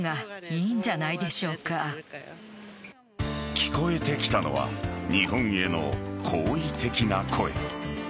聞こえてきたのは日本への好意的な声。